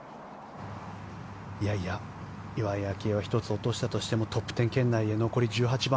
岩井明愛は１つ落としたとしてもトップ１０圏内へ、残り１８番。